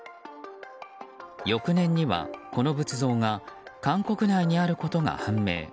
翌年にはこの仏像が韓国内にあることが判明。